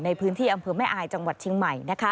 ในพื้นที่อำเภอแม่อายจังหวัดเชียงใหม่